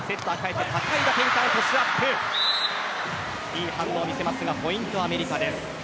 いい反応を見せますがポイントはアメリカです。